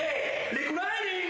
リクライニング。